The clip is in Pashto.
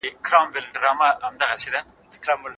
که تاسي په رښتیا د پښتو خدمت غواړئ نو د کندهار معیار مراعات کړئ.